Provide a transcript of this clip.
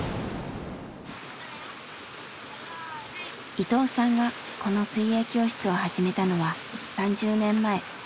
伊藤さんがこの水泳教室を始めたのは３０年前。